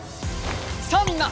さあみんな。